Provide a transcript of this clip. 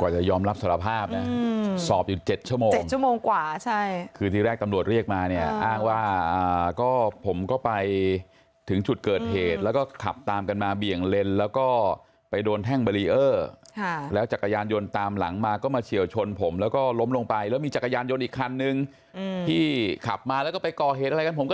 กว่าจะยอมรับสารภาพเนี่ยสอบอยู่๗ชั่วโมง๗ชั่วโมงกว่าใช่คือที่แรกตำรวจเรียกมาเนี่ยอ้างว่าก็ผมก็ไปถึงชุดเกิดเหตุแล้วก็ขับตามกันมาเบี่ยงเล่นแล้วก็ไปโดนแท่งบรีเออร์แล้วจักรยานยนต์ตามหลังมาก็มาเฉียวชนผมแล้วก็ล้มลงไปแล้วมีจักรยานยนต์อีกคันนึงที่ขับมาแล้วก็ไปก่อเหตุอะไรกันผม